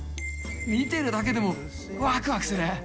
見てるだけでもわくわくする。